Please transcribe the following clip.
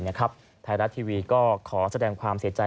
ไทยรัฐทีวีก็ขอแสดงความเสียใจ